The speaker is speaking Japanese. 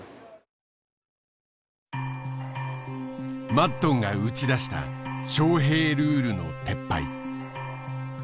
マッドンが打ち出したショウヘイルールの撤廃。